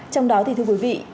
trong đó thì thưa quý vị